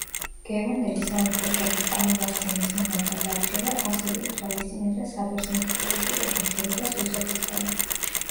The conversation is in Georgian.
გერმანელი სამეფო ოჯახის წარმომადგენლის მონარქად არჩევა ასევე ითვალისწინებდა საბერძნეთის პოლიტიკურ დაშორებას რუსეთისგან.